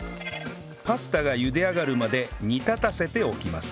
パスタが茹で上がるまで煮立たせておきます